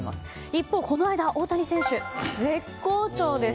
一方、この間大谷選手は絶好調です。